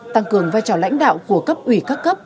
tăng cường vai trò lãnh đạo của cấp ủy các cấp